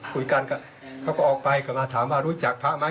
คุยกันเขาก็ออกไปกลับมาถามว่ารู้จักพระไหม